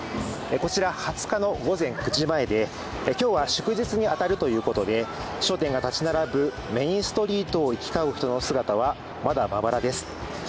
こちら２０日の午前９時前で、今日は祝日に当たるということで商店が立ち並ぶメインストリートを行き交う人の姿はまだまばらです。